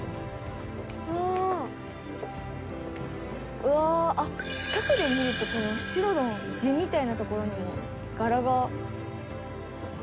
うわあっ近くで見るとこの白の地みたいなところにも柄が。